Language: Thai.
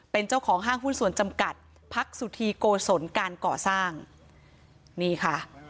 เป็นเจ้าของห้างหุ้นส่วนจำกัดพักสุธีโกศลการก่อสร้างนี่ค่ะ